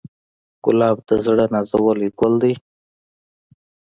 ګلاب د زړه نازولی ګل دی.